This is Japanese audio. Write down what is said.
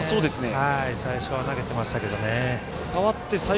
最初は投げてましたけどね。